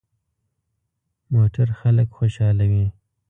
موټر خلک خوشحالوي.